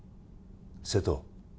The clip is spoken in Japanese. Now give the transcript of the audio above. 瀬戸